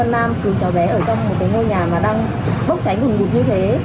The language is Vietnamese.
ở trong một cái ngôi nhà mà đang bốc cháy ngừng ngục như thế